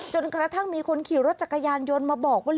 จนกระทั่งมีคนขี่รถจักรยานยนต์มาบอกว่า